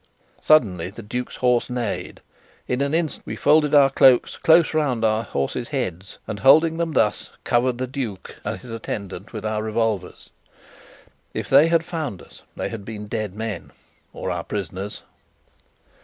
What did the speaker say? Suddenly the duke's horse neighed. In an instant we folded our cloaks close round our horses' heads, and, holding them thus, covered the duke and his attendant with our revolvers. If they had found us, they had been dead men, or our prisoners.